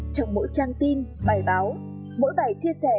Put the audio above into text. trong mỗi trang tin bài báo mỗi bài chia sẻ